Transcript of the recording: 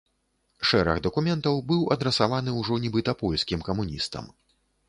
Шэраг дакументаў быў адрасаваны ўжо нібыта польскім камуністам.